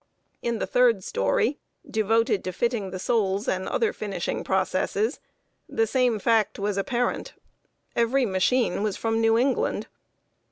In the third story, devoted to fitting the soles and other finishing processes, the same fact was apparent every machine was from New England.